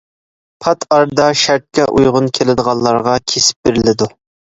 پات ئارىدا شەرتكە ئۇيغۇن كېلىدىغانلارغا كېسىپ بېرىلىدۇ.